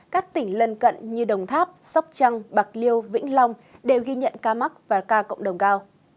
các tỉnh lân cận như đồng tháp sóc trăng bạc liêu vĩnh long đều ghi nhận ca mắc và ca cộng đồng cao